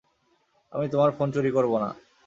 আমি তোমার ফোন চুরি করব না।